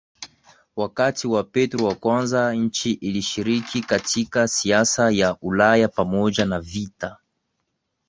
wakati wa Petro wa kwanza nchi ilishiriki katika siasa ya Ulaya pamoja na vita